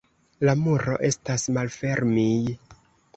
La muro estas malfermij.